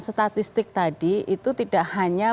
statistik tadi itu tidak hanya